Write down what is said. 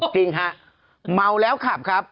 จริงฮะเมาแล้วขับครับ